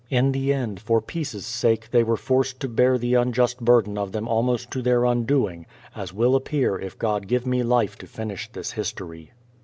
In the end, for peace' sake they were forced to bear the unjust burden of them almost to their undoing, as will appear if God give me life to finish this history.